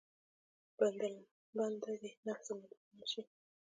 بنده دې النفس المطمئنه شي.